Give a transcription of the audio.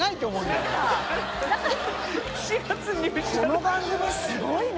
この番組すごいな。